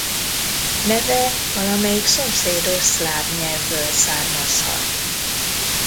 Neve valamelyik szomszédos szláv nyelvből származhat.